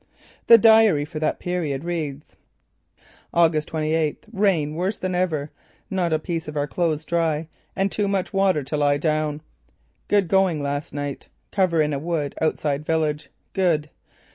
The diary for that period reads: "August 28th: Rain worse than ever. Not a piece of our clothes dry and too much water to lie down. Good going last night. Cover in a wood outside village. Good.